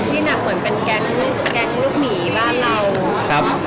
นี่หนักเหมือนเป็นแก๊งลูกหมีบ้านเรา